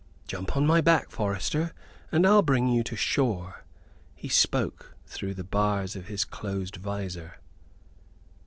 "Jump upon my back, forester, and I'll bring you to shore." He spoke through the bars of his closed visor.